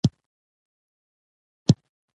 خپل اوج ته رسیدلي ؤ